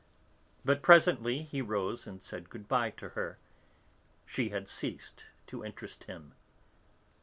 But presently he rose and said good bye to her. She had ceased to interest him.